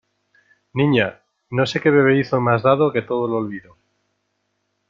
niña, no sé qué bebedizo me has dado que todo lo olvido...